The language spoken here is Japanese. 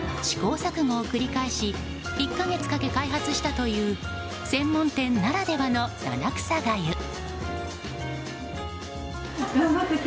試行錯誤を繰り返し１か月かけて開発したという専門店ならではの七草がゆ。